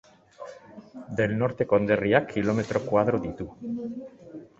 Del Norte konderriak kilometro koadro ditu.